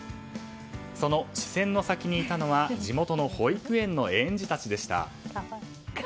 その視線の先にいたのは地元の保育園の園児たちでした。